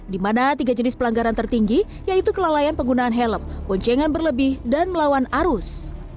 di mana tiga jenis pelanggaran tertinggi yaitu kelalaian penggunaan helm boncengan berlebih dan melawan arus